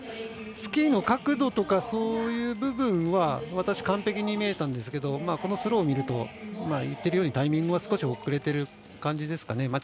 スキーの角度とかそういう部分は私、完璧に見えたんですがスローを見ると言っているようにタイミングは少し遅れている感じですかね。